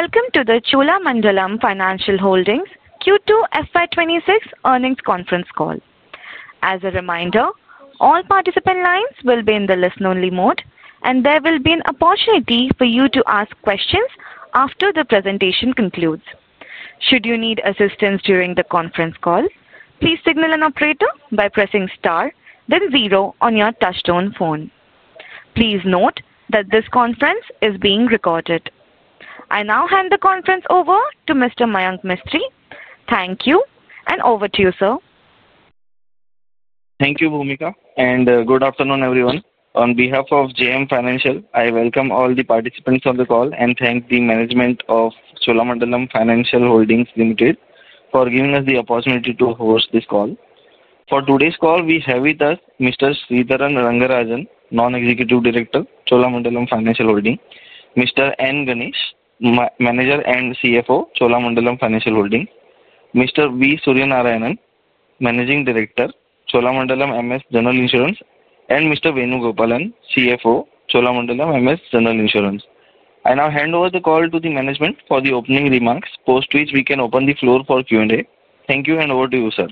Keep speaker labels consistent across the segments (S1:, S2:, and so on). S1: Welcome to the Cholamandalam Financial Holdings Q2 FY2026 earnings conference call. As a reminder, all participant lines will be in the listen-only mode, and there will be an opportunity for you to ask questions after the presentation concludes. Should you need assistance during the conference call, please signal an operator by pressing star, then zero on your touch-tone phone. Please note that this conference is being recorded. I now hand the conference over to Mr. Mayank Mistry. Thank you, and over to you, sir.
S2: Thank you, Boomika, and good afternoon, everyone. On behalf of JM Financial, I welcome all the participants of the call and thank the management of Cholamandalam Financial Holdings Limited for giving us the opportunity to host this call. For today's call, we have with us Mr. Sridharan Rangarajan, Non-Executive Director, Cholamandalam Financial Holdings; Mr. N. Ganesh, Manager and CFO, Cholamandalam Financial Holdings; Mr. V. Suryanarayanan, Managing Director, Cholamandalam MS General Insurance; and Mr. Venu Gopalan, CFO, Cholamandalam MS General Insurance. I now hand over the call to the management for the opening remarks, post which we can open the floor for Q&A. Thank you, and over to you, sir.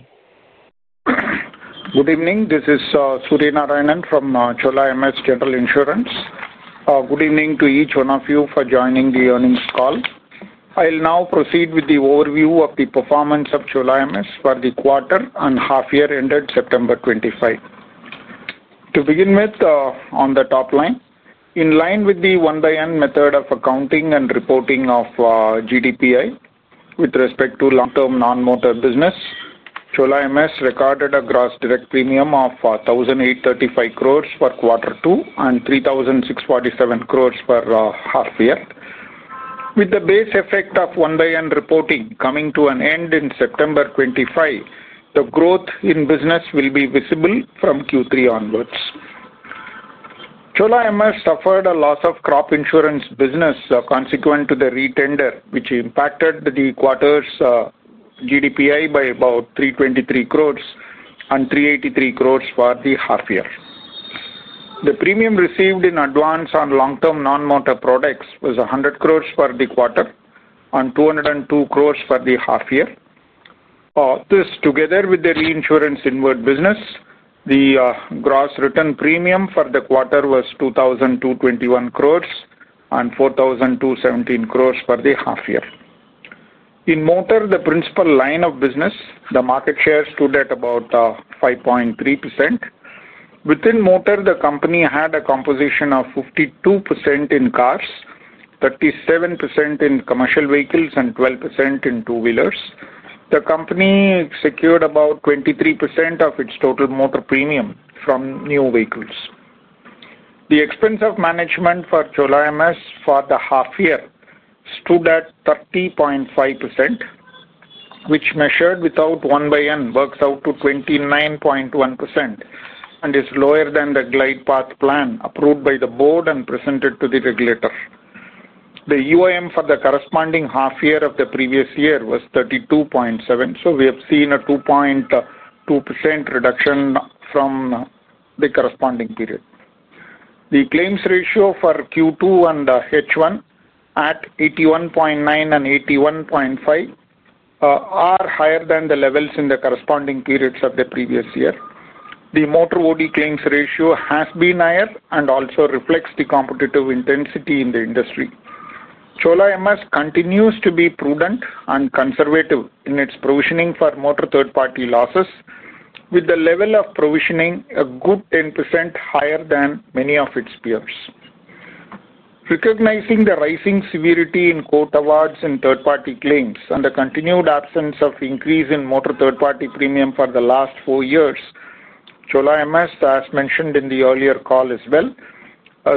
S3: Good evening. This is Suryanarayanan from Cholamandalam MS General Insurance. Good evening to each one of you for joining the earnings call. I'll now proceed with the overview of the performance of Cholamandalam MS for the quarter and half-year ended September 2025. To begin with, on the top line, in line with the one-by-one method of accounting and reporting of GDPI with respect to long-term non-motor business, Cholamandalam MS recorded a gross direct premium of 1,835 crore for quarter two and 3,647 crore for the half-year. With the base effect of one-by-one reporting coming to an end in September 2025, the growth in business will be visible from Q3 onwards. Cholamandalam MS suffered a loss of crop insurance business consequent to the re-tender, which impacted the quarter's GDPI by about 323 crore and 383 crore for the half-year. The premium received in advance on long-term non-motor products was 100 crore for the quarter and 202 crore for the half-year. Together with the reinsurance inward business, the gross return premium for the quarter was 2,221 crore and 4,217 crore for the half-year. In motor, the principal line of business, the market share stood at about 5.3%. Within motor, the company had a composition of 52% in cars, 37% in commercial vehicles, and 12% in two-wheelers. The company secured about 23% of its total motor premium from new vehicles. The Expenses of Management for Cholamandalam MS General Insurance for the half-year stood at 30.5%, which measured without one-by-one works out to 29.1% and is lower than the glide path plan approved by the board and presented to the regulator. The UIM for the corresponding half-year of the previous year was 32.7%. We have seen a 2.2% reduction from the corresponding period. The claims ratio for Q2 and H1 at 81.9% and 81.5% are higher than the levels in the corresponding periods of the previous year. The motor OD claims ratio has been higher and also reflects the competitive intensity in the industry. Cholam MS continues to be prudent and conservative in its provisioning for motor third-party losses, with the level of provisioning a good 10% higher than many of its peers. Recognizing the rising severity in court awards in third-party claims and the continued absence of increase in motor third-party premium for the last four years, Cholam MS, as mentioned in the earlier call as well,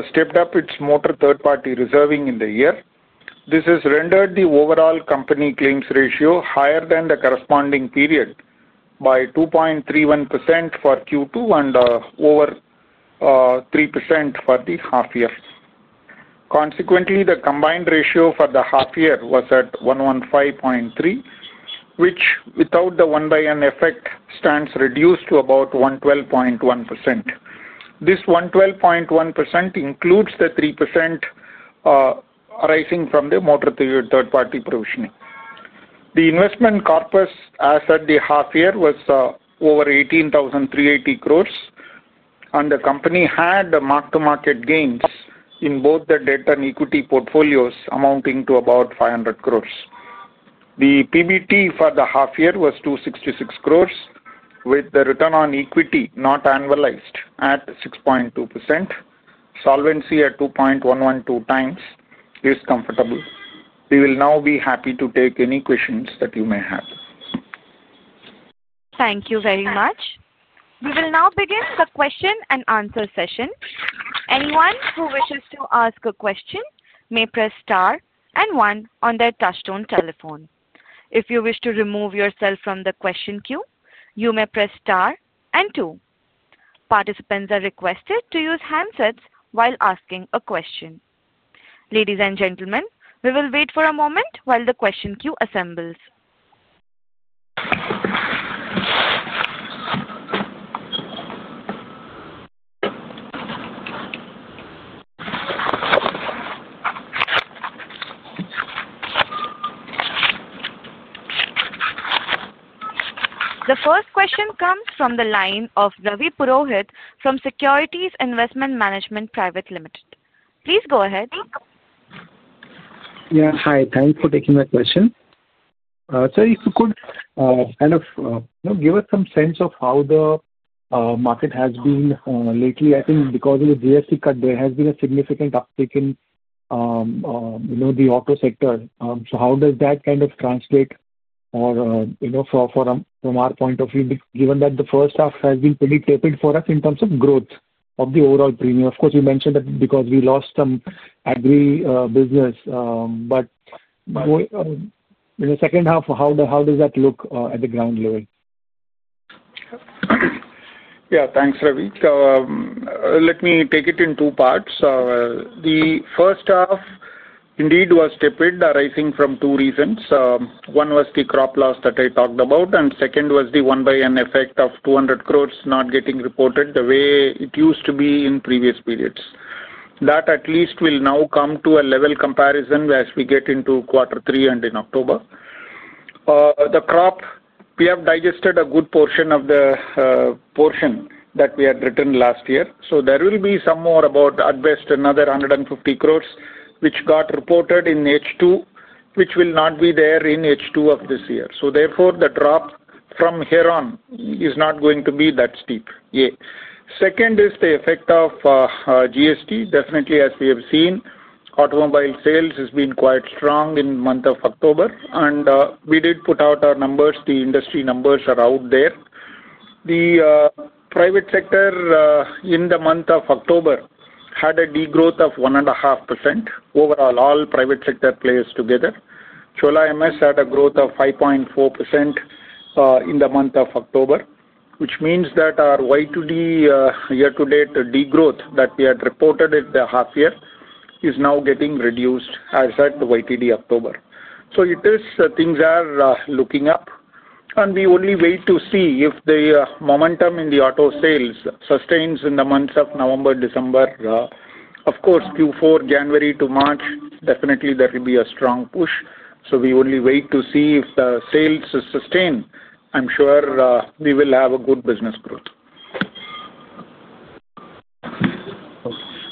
S3: stepped up its motor third-party reserving in the year. This has rendered the overall company claims ratio higher than the corresponding period by 2.31% for Q2 and over 3% for the half-year. Consequently, the combined ratio for the half-year was at 115.3%, which without the one-by-one effect stands reduced to about 112.1%. This 112.1% includes the 3% arising from the motor third-party provisioning. The investment corpus as at the half-year was over 18,380 crore, and the company had mark-to-market gains in both the debt and equity portfolios amounting to about 500 crore. The PBT for the half-year was 266 crore, with the return on equity not annualized at 6.2%. Solvency at 2.112 times is comfortable. We will now be happy to take any questions that you may have.
S1: Thank you very much. We will now begin the question and answer session. Anyone who wishes to ask a question may press star and one on their touchstone telephone. If you wish to remove yourself from the question queue, you may press star and two. Participants are requested to use handsets while asking a question. Ladies and gentlemen, we will wait for a moment while the question queue assembles. The first question comes from the line of Ravi Purohit from Securities Investment Management Private Limited. Please go ahead.
S4: Yeah, hi. Thanks for taking my question. Sir, if you could kind of give us some sense of how the market has been lately. I think because of the GST cut, there has been a significant uptick in the auto sector. How does that kind of translate for from our point of view, given that the first half has been pretty tepid for us in terms of growth of the overall premium? Of course, you mentioned that because we lost some agri business, but in the second half, how does that look at the ground level?
S3: Yeah, thanks, Ravi. Let me take it in two parts. The first half indeed was tepid arising from two reasons. One was the crop loss that I talked about, and second was the one-by-one effect of 200 crore not getting reported the way it used to be in previous periods. That at least will now come to a level comparison as we get into quarter three and in October. The crop, we have digested a good portion of the portion that we had written last year. There will be somewhere about at best another 150 crore, which got reported in H2, which will not be there in H2 of this year. Therefore, the drop from here on is not going to be that steep. Second is the effect of GST. Definitely, as we have seen, automobile sales has been quite strong in the month of October, and we did put out our numbers. The industry numbers are out there. The private sector in the month of October had a degrowth of 1.5% overall all private sector players together. Cholam MS had a growth of 5.4% in the month of October, which means that our YTD year-to-date degrowth that we had reported in the half-year is now getting reduced as at YTD October. It is things are looking up, and we only wait to see if the momentum in the auto sales sustains in the months of November, December. Of course, Q4, January to March, definitely there will be a strong push. We only wait to see if the sales sustain. I'm sure we will have a good business growth.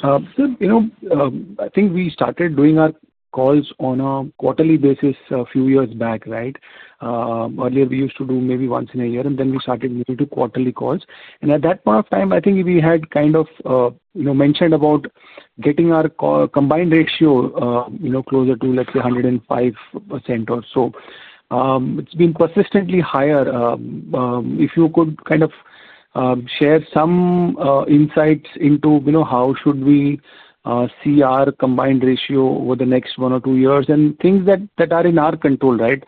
S4: Sir, I think we started doing our calls on a quarterly basis a few years back, right? Earlier, we used to do maybe once in a year, and then we started doing quarterly calls. At that point of time, I think we had kind of mentioned about getting our combined ratio closer to, let's say, 105% or so. It's been persistently higher. If you could kind of share some insights into how should we see our combined ratio over the next one or two years and things that are in our control, right?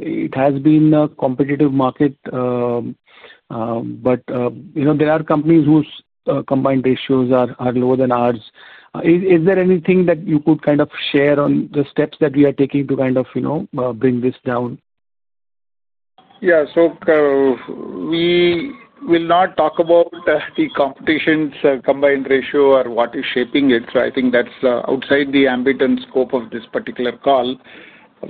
S4: It has been a competitive market, but there are companies whose combined ratios are lower than ours. Is there anything that you could kind of share on the steps that we are taking to kind of bring this down?
S3: Yeah. We will not talk about the competition's combined ratio or what is shaping it. I think that is outside the ambit and scope of this particular call.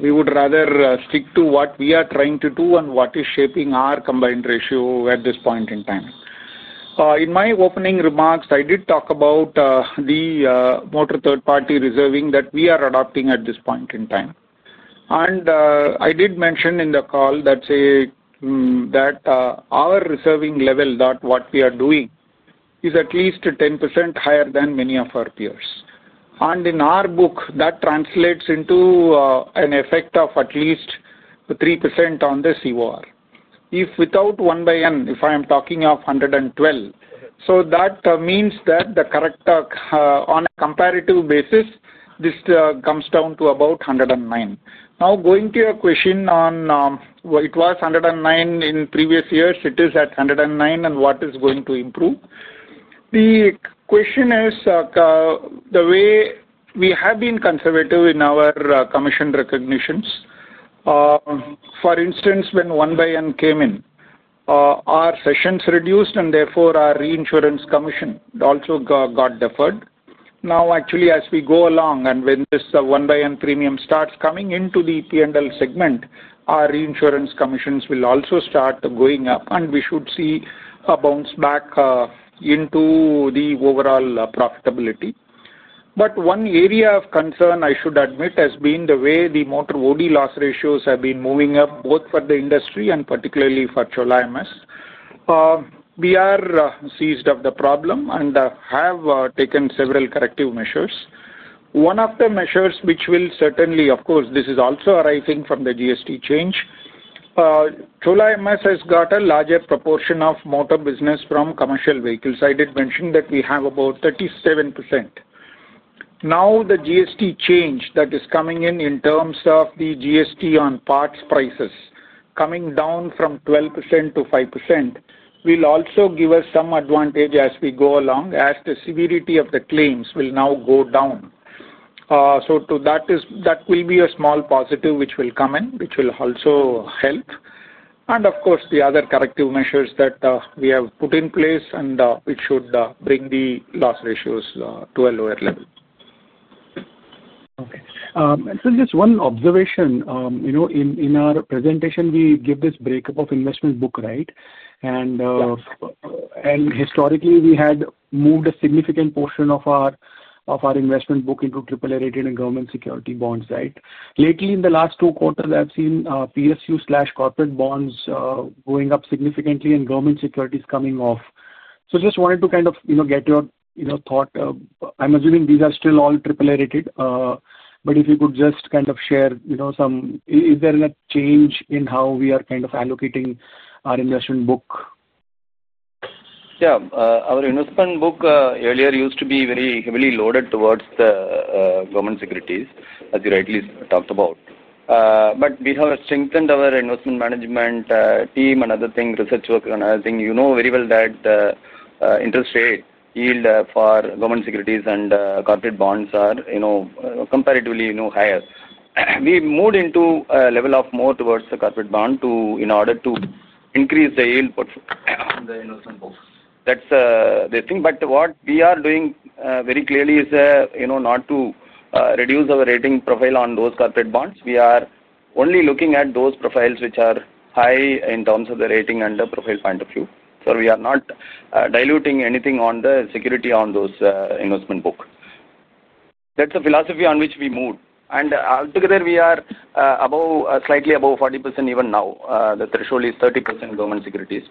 S3: We would rather stick to what we are trying to do and what is shaping our combined ratio at this point in time. In my opening remarks, I did talk about the motor third-party reserving that we are adopting at this point in time. I did mention in the call that our reserving level, what we are doing, is at least 10% higher than many of our peers. In our book, that translates into an effect of at least 3% on the COR. If without one-by-one, if I am talking of 112, that means that the correct on a comparative basis, this comes down to about 109. Now, going to your question on it was 109 in previous years, it is at 109, and what is going to improve? The question is the way we have been conservative in our commission recognitions. For instance, when one-by-one came in, our cessions reduced, and therefore our reinsurance commission also got deferred. Now, actually, as we go along and when this one-by-one premium starts coming into the T&L segment, our reinsurance commissions will also start going up, and we should see a bounce back into the overall profitability. One area of concern, I should admit, has been the way the motor OD loss ratios have been moving up, both for the industry and particularly for Cholamandalam MS. We are seized of the problem and have taken several corrective measures. One of the measures, which will certainly, of course, this is also arising from the GST change, Cholam MS has got a larger proportion of motor business from commercial vehicles. I did mention that we have about 37%. Now, the GST change that is coming in in terms of the GST on parts prices coming down from 12% to 5% will also give us some advantage as we go along as the severity of the claims will now go down. That will be a small positive which will come in, which will also help. Of course, the other corrective measures that we have put in place, and it should bring the loss ratios to a lower level.
S4: Okay. Sir, just one observation. In our presentation, we give this breakup of investment book, right? Historically, we had moved a significant portion of our investment book into AAA rated and government security bonds, right? Lately, in the last two quarters, I have seen PSU/corporate bonds going up significantly and government securities coming off. I just wanted to kind of get your thought. I am assuming these are still all AAA rated, but if you could just kind of share some, is there a change in how we are kind of allocating our investment book?
S5: Yeah. Our investment book earlier used to be very heavily loaded towards the government securities, as you rightly talked about. We have strengthened our investment management team, another thing, research work, and another thing. You know very well that the interest rate yield for government securities and corporate bonds are comparatively higher. We moved into a level of more towards the corporate bond in order to increase the yield on the investment book. That is the thing. What we are doing very clearly is not to reduce our rating profile on those corporate bonds. We are only looking at those profiles which are high in terms of the rating and the profile point of view. We are not diluting anything on the security on those investment book. That is the philosophy on which we moved. Altogether, we are slightly above 40% even now. The threshold is 30% government securities.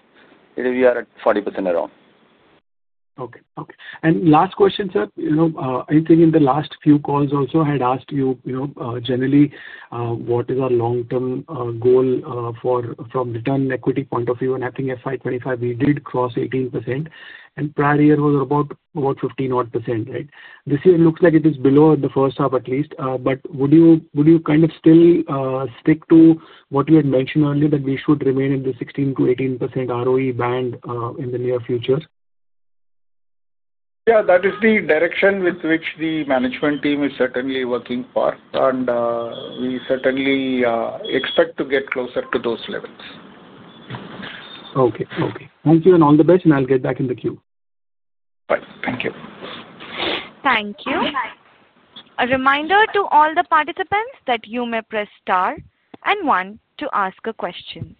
S5: We are at around 40%.
S4: Okay. Okay. Last question, sir. I think in the last few calls also had asked you generally what is our long-term goal from return on equity point of view. I think for financial year 2025, we did cross 18%, and prior year was about 15-odd percent, right? This year looks like it is below in the first half at least. Would you kind of still stick to what you had mentioned earlier that we should remain in the 16-18% ROE band in the near future?
S3: Yeah. That is the direction with which the management team is certainly working for, and we certainly expect to get closer to those levels.
S4: Okay. Okay. Thank you and all the best, and I'll get back in the queue.
S3: Bye. Thank you.
S1: Thank you. A reminder to all the participants that you may press star and one to ask a question.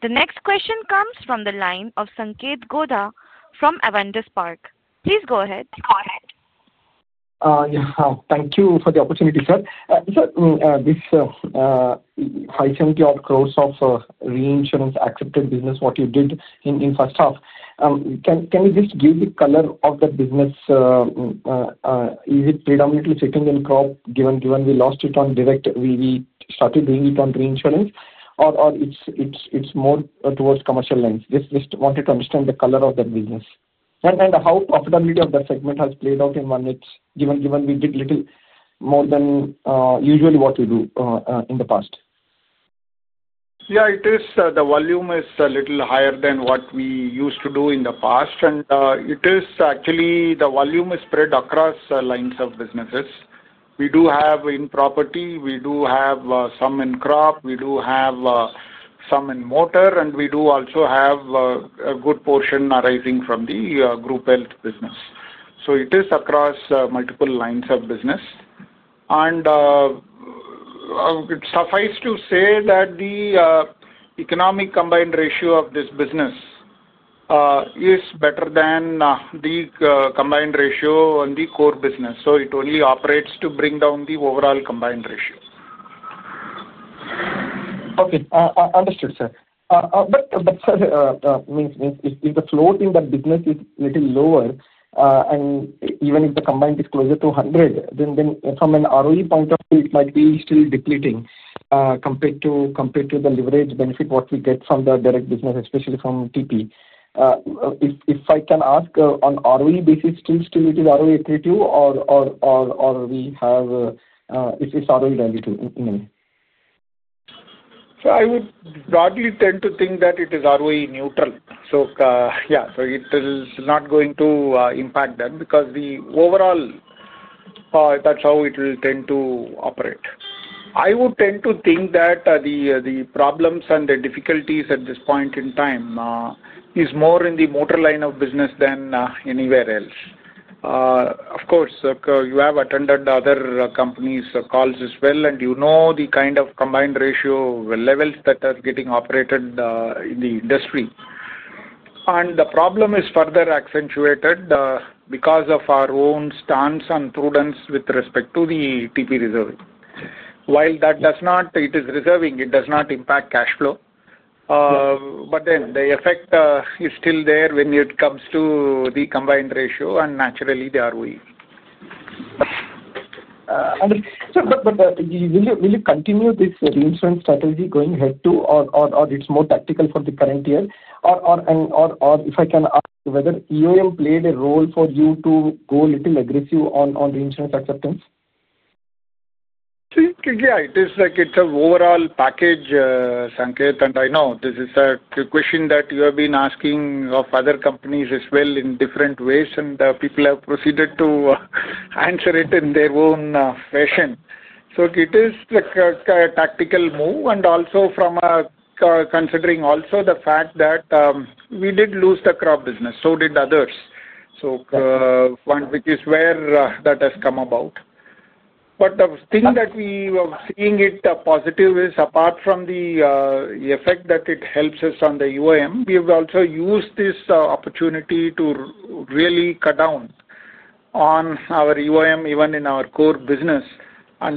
S1: The next question comes from the line of Sankeet Godha from Avantis Park. Please go ahead.
S6: Yeah. Thank you for the opportunity, sir. Sir, this 570-odd crores of reinsurance accepted business, what you did in first half, can you just give the color of the business? Is it predominantly sitting in crop given we lost it on direct? We started doing it on reinsurance, or it's more towards commercial lines? Just wanted to understand the color of the business and how profitability of the segment has played out in one night given we did little more than usually what we do in the past.
S3: Yeah. The volume is a little higher than what we used to do in the past, and actually the volume is spread across lines of businesses. We do have in property. We do have some in crop. We do have some in motor, and we do also have a good portion arising from the group health business. It is across multiple lines of business. It suffices to say that the economic combined ratio of this business is better than the combined ratio on the core business. It only operates to bring down the overall combined ratio.
S6: Okay. Understood, sir. If the float in the business is a little lower, and even if the combined is closer to 100, then from an ROE point of view, it might be still depleting compared to the leverage benefit we get from the direct business, especially from TP. If I can ask on ROE basis, still it is ROE equity or we have, it's ROE 22 in a way?
S3: I would broadly tend to think that it is ROE neutral. Yeah, it is not going to impact that because the overall, that's how it will tend to operate. I would tend to think that the problems and the difficulties at this point in time is more in the motor line of business than anywhere else. Of course, you have attended other companies' calls as well, and you know the kind of combined ratio levels that are getting operated in the industry. The problem is further accentuated because of our own stance and prudence with respect to the TP reserving. While that does not, it is reserving. It does not impact cash flow. The effect is still there when it comes to the combined ratio and naturally the ROE.
S6: Okay. Will you continue this reinsurance strategy going head to, or is it more tactical for the current year? Or if I can ask whether EOM played a role for you to go a little aggressive on reinsurance acceptance?
S3: Yeah. It is like it's an overall package, Sankeet, and I know this is a question that you have been asking of other companies as well in different ways, and people have proceeded to answer it in their own fashion. It is a tactical move, and also from considering also the fact that we did lose the crop business, so did others. One week is where that has come about. The thing that we were seeing as positive is apart from the effect that it helps us on the EOM, we have also used this opportunity to really cut down on our EOM even in our core business,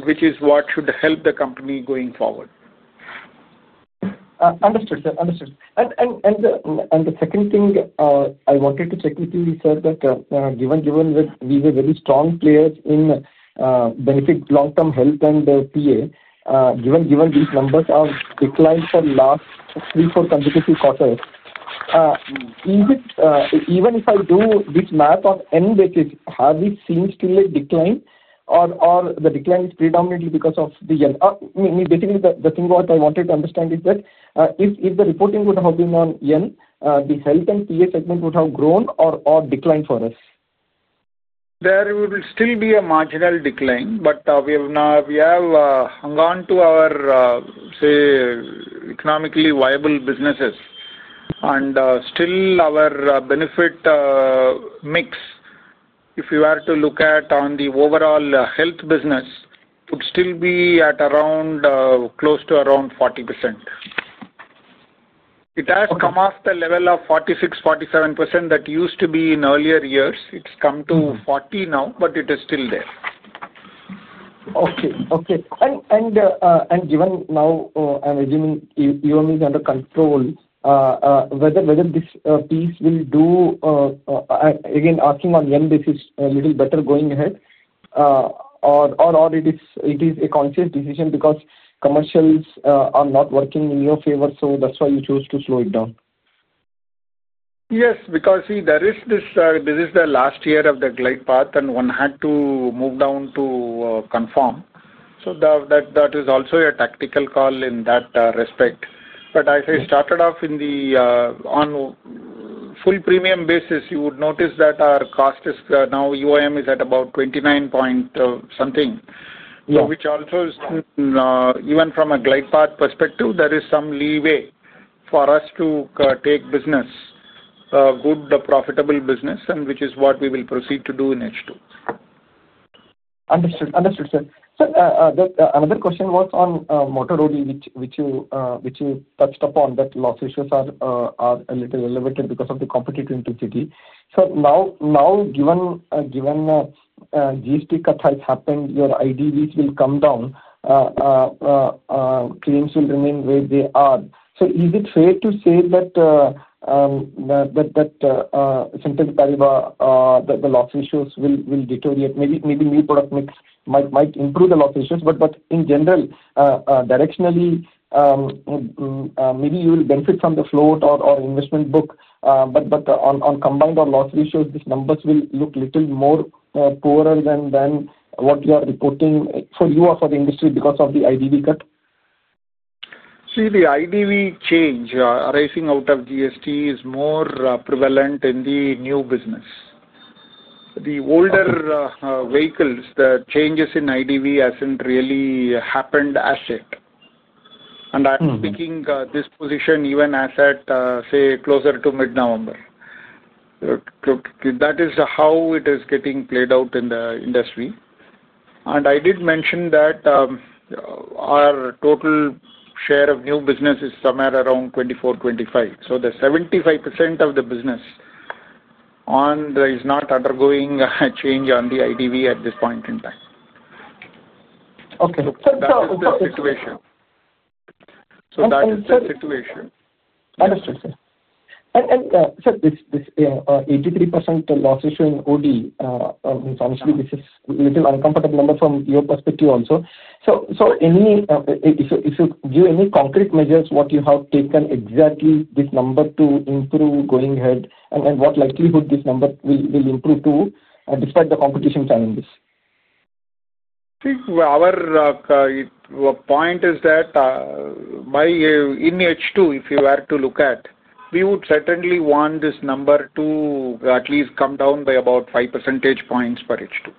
S3: which is what should help the company going forward.
S6: Understood, sir. Understood. The second thing I wanted to check with you, sir, that given we were very strong players in benefit long-term health and PA, given these numbers have declined for the last three or four consecutive quarters, even if I do this math on any basis, have we seen still a decline, or the decline is predominantly because of the yield? Basically, the thing what I wanted to understand is that if the reporting would have been on yield, the health and PA segment would have grown or declined for us?
S3: There will still be a marginal decline, but we have gone to our, say, economically viable businesses, and still our benefit mix, if you are to look at on the overall health business, would still be at around close to around 40%. It has come off the level of 46-47% that used to be in earlier years. It has come to 40% now, but it is still there.
S6: Okay. Okay. Given now, I'm assuming EOM is under control, whether this piece will do, again, asking on yield basis a little better going ahead, or it is a conscious decision because commercials are not working in your favor, so that's why you chose to slow it down?
S3: Yes. Because see, there is this last year of the glide path, and one had to move down to conform. That is also a tactical call in that respect. I say started off in the full premium basis, you would notice that our cost is now EOM is at about 29 point something, which also is, even from a glide path perspective, there is some leeway for us to take business, good, profitable business, and which is what we will proceed to do in H2.
S6: Understood. Understood, sir. Another question was on motor OD, which you touched upon, that loss issues are a little elevated because of the competitive intensity. Now, given GST cut has happened, your IDVs will come down, claims will remain where they are. Is it fair to say that Sankeet Godha, the loss issues will deteriorate? Maybe new product mix might improve the loss issues, but in general, directionally, maybe you will benefit from the float or investment book. On combined or loss ratios, these numbers will look a little more poorer than what you are reporting for you or for the industry because of the IDV cut?
S3: See, the IDV change arising out of GST is more prevalent in the new business. The older vehicles, the changes in IDV have not really happened as yet. I am speaking this position even as at, say, closer to mid-November. That is how it is getting played out in the industry. I did mention that our total share of new business is somewhere around 24-25%. The 75% of the business is not undergoing a change on the IDV at this point in time.
S6: Okay. So.
S3: That's the situation.
S6: Understood, sir. Sir, this 83% loss issue in OD, honestly, this is a little uncomfortable number from your perspective also. If you give any concrete measures, what you have taken exactly for this number to improve going ahead, and what likelihood this number will improve to despite the competition challenges?
S3: See, our point is that by in H2, if you are to look at, we would certainly want this number to at least come down by about 5 percentage points for H2.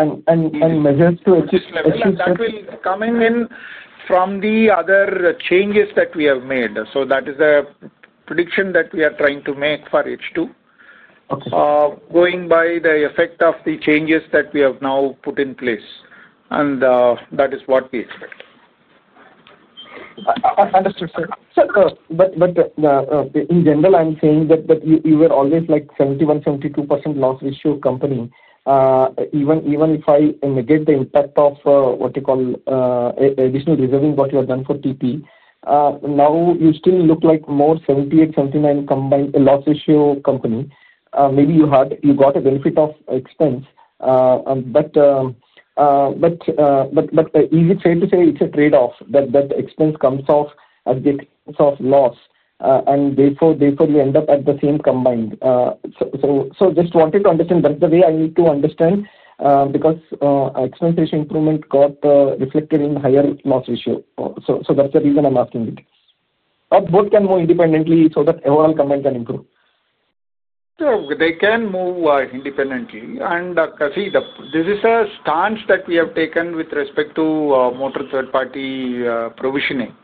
S6: Measures to achieve?
S3: That will come in from the other changes that we have made. That is the prediction that we are trying to make for H2, going by the effect of the changes that we have now put in place. That is what we expect.
S6: Understood, sir. In general, I am saying that you were always like 71-72% loss ratio company, even if I negate the impact of what you call additional reserving, what you have done for TP. Now you still look like more 78-79% combined loss ratio company. Maybe you got a benefit of expense, but is it fair to say it is a trade-off that expense comes off at the expense of loss, and therefore you end up at the same combined? I just wanted to understand. That is the way I need to understand because expense ratio improvement got reflected in higher loss ratio. That is the reason I am asking it. Or both can move independently so that overall combined can improve?
S3: They can move independently. This is a stance that we have taken with respect to motor third-party provisioning.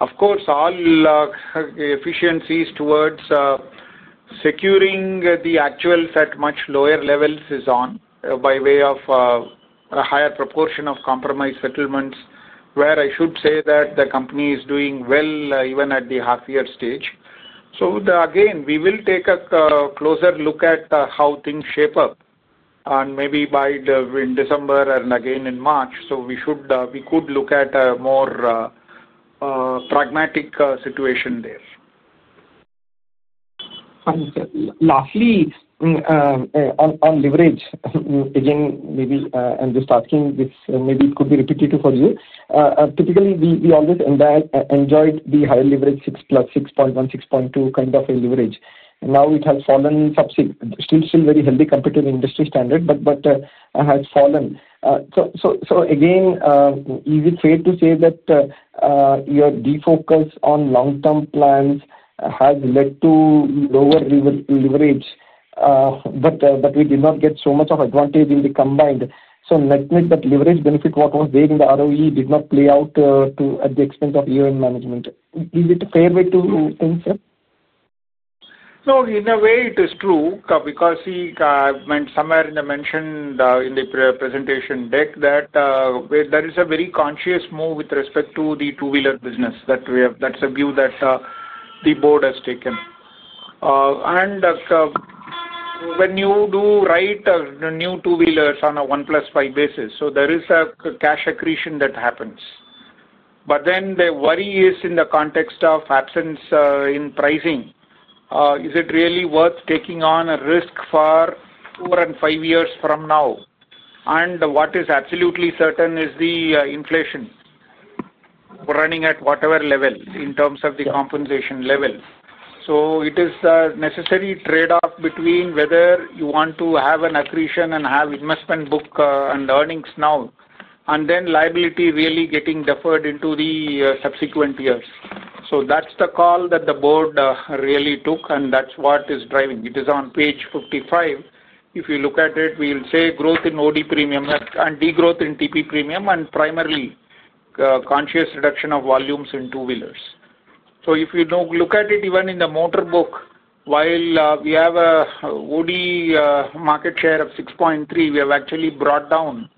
S3: Of course, all efficiencies towards securing the actuals at much lower levels is on by way of a higher proportion of compromise settlements, where I should say that the company is doing well even at the half-year stage. Again, we will take a closer look at how things shape up, and maybe by December and again in March, we could look at a more pragmatic situation there.
S6: Lastly, on leverage, again, maybe I'm just asking this, maybe it could be repetitive for you. Typically, we always enjoyed the higher leverage, 6.1, 6.2 kind of a leverage. Now it has fallen sub-6, still very healthy compared to the industry standard, but has fallen. Is it fair to say that your defocus on long-term plans has led to lower leverage, but we did not get so much of advantage in the combined? That leverage benefit what was there in the ROE did not play out at the expense of EOM management. Is it a fair way to think, sir?
S3: In a way, it is true because I meant somewhere in the mention in the presentation deck that there is a very conscious move with respect to the two-wheeler business. That is a view that the board has taken. When you do write new two-wheelers on a one-plus-five basis, there is a cash accretion that happens. The worry is in the context of absence in pricing. Is it really worth taking on a risk for four and five years from now? What is absolutely certain is the inflation running at whatever level in terms of the compensation level. It is a necessary trade-off between whether you want to have an accretion and have investment book and earnings now, and then liability really getting deferred into the subsequent years. That is the call that the board really took, and that is what is driving. It is on page 55. If you look at it, we will say growth in OD premium and degrowth in TP premium and primarily conscious reduction of volumes in two-wheelers. If you look at it even in the motor book, while we have an OD market share of 6.3, we have actually brought down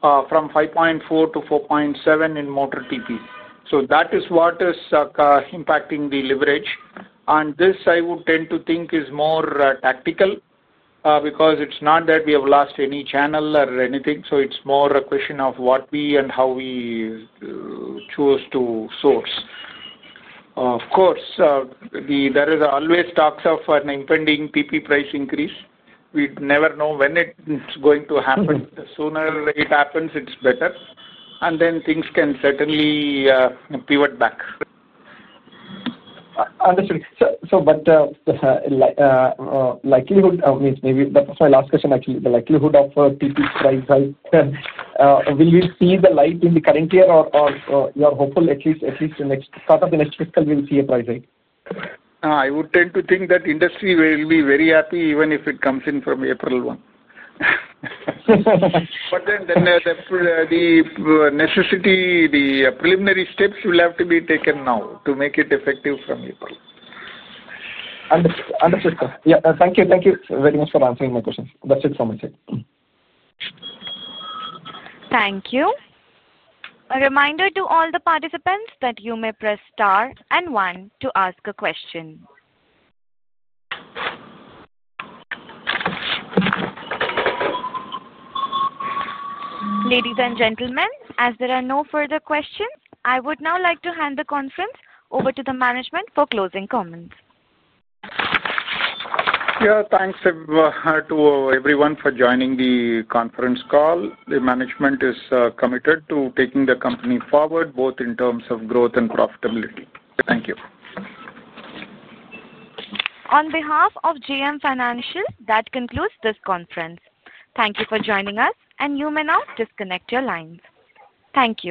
S3: from 5.4-4.7 in motor TP. That is what is impacting the leverage. This, I would tend to think, is more tactical because it's not that we have lost any channel or anything. It is more a question of what we and how we chose to source. Of course, there is always talks of an impending TP price increase. We never know when it's going to happen. The sooner it happens, it's better. Things can certainly pivot back.
S6: Understood. But the likelihood, maybe that was my last question, actually, the likelihood of TP price hike, will we see the light in the current year or you are hopeful at least start of the next fiscal, we will see a price hike?
S3: I would tend to think that industry will be very happy even if it comes in from April 1. However, the necessity, the preliminary steps will have to be taken now to make it effective from April.
S6: Understood, sir. Yeah. Thank you. Thank you very much for answering my questions. That's it from my side.
S1: Thank you. A reminder to all the participants that you may press star and one to ask a question. Ladies and gentlemen, as there are no further questions, I would now like to hand the conference over to the management for closing comments.
S5: Yeah. Thanks to everyone for joining the conference call. The management is committed to taking the company forward both in terms of growth and profitability. Thank you.
S1: On behalf of JM Financial, that concludes this conference. Thank you for joining us, and you may now disconnect your lines. Thank you.